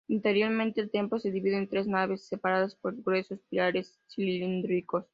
Interiormente el templo se divide en tres naves, separadas por gruesos pilares cilíndricos.